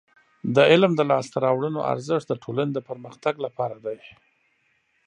د علم د لاسته راوړنو ارزښت د ټولنې د پرمختګ لپاره دی.